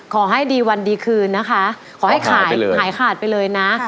ขอให้ดีวันดีคืนนะคะขอให้ขายหายขาดไปเลยนะ